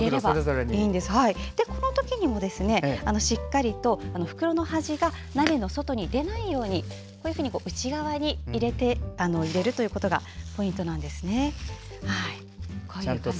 この時にもしっかりと袋の端が鍋の外に出ないように内側に入れるのがポイントです。